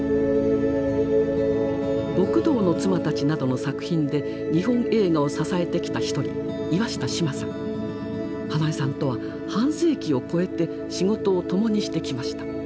「極道の妻たち」などの作品で日本映画を支えてきた一人英恵さんとは半世紀を越えて仕事を共にしてきました。